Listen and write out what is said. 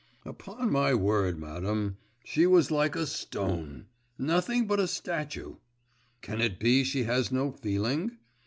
'Upon my word, madam, she was like a stone! nothing but a statue! Can it be she has no feeling?